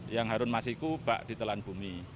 yang harun masiku bak ditelan bumi